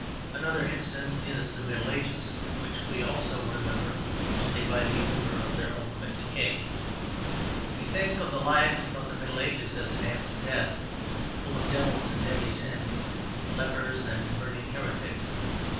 Another instance is the Middle Ages, which we also remember only by the odour of their ultimate decay. We think of the life of the Middle Ages as a dance of death, full of devils and deadly sins, lepers and burning heretics.